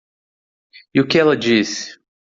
E o que ela disse?